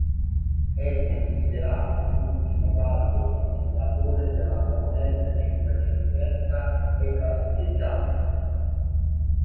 È considerato l'ultimo valido continuatore della commedia cinquecentesca e classicheggiante.